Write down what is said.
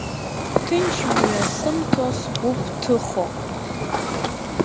Ҭынчмҩа сымҭо, сгәы бҭыхо…